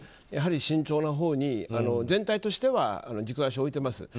やはり慎重なほうに全体としては軸足を置いてます。